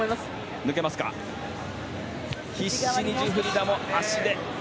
必死にジュフリダも足で。